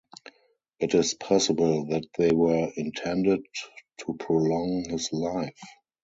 It is possible that they were intended to prolong his life.